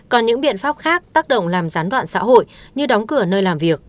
còn những biện pháp khác tác động làm gián đoạn xã hội như đóng cửa nơi làm việc